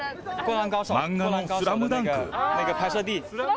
漫画のスラムダンク。